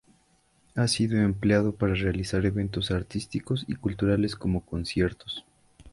Ha sido empleado para realizar eventos artísticos y culturales como conciertos.